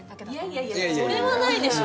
いやいやいやそれはないでしょ！